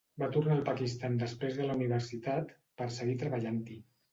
Va tornar al Pakistan després de la universitat per seguir treballant-hi.